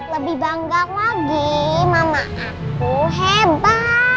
lebih bangga lagi mama aku hebat